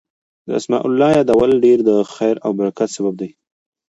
د اسماء الله يادول ډير د خير او برکت سبب دی